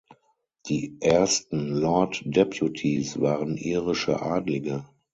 Die ersten Lord Deputies waren irische Adlige.